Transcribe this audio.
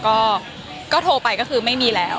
ก็โทรไปก็คือไม่มีแล้ว